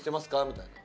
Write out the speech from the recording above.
みたいな。